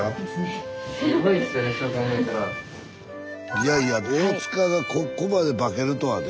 いやいや大がここまで化けるとはね。